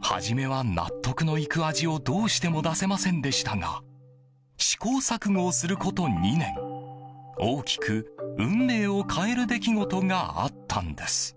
初めは、納得のいく味をどうしても出せませんでしたが試行錯誤すること２年大きく運命を変える出来事があったんです。